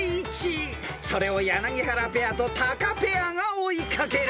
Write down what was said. ［それを柳原ペアとタカペアが追い掛ける］